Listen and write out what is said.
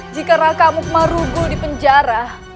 jika raka amuk marugol dipenjara